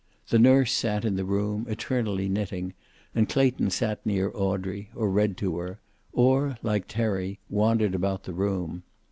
The nurse sat in the room, eternally knitting, and Clayton sat near Audrey, or read to her, or, like Terry, wandered about the room.